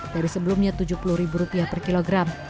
dari sebelumnya rp tujuh puluh per kilogram